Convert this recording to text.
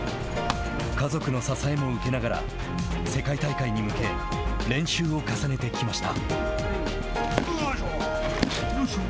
家族の支えも受けながら世界大会に向け練習を重ねてきました。